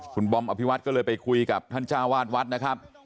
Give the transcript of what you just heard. คุณบอมอภิวัตรก็เลยไปคุยกับท่านเจ้าวาดวัดนะครับ